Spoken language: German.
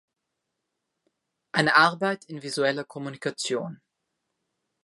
Eine Arbeit in Visueller Kommunikation.